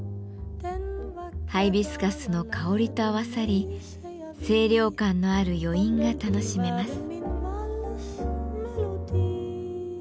ハイビスカスの香りと合わさり清涼感のある余韻が楽しめます。